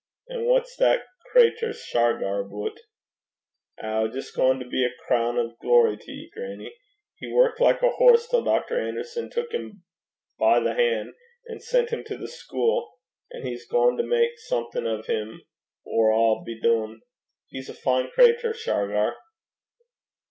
An' what's that crater Shargar aboot?' 'Ow, jist gaein' to be a croon o' glory to ye, grannie. He vroucht like a horse till Dr. Anderson took him by the han', an' sent him to the schuil. An' he's gaein' to mak something o' 'im, or a' be dune. He's a fine crater, Shargar.'